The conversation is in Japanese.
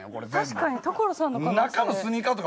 確かに所さんの可能性。